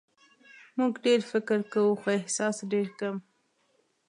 موږ ډېر فکر کوو خو احساس ډېر کم.